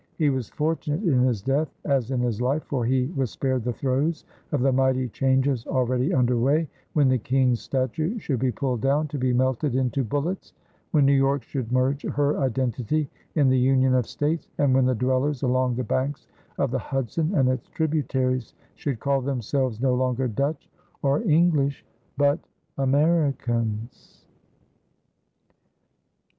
He was fortunate in his death as in his life, for he was spared the throes of the mighty changes already under way, when the King's statue should be pulled down to be melted into bullets, when New York should merge her identity in the Union of States, and when the dwellers along the banks of the Hudson and its tributaries should call themselves no longer Dutch or English but Americans.